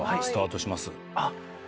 スタートします。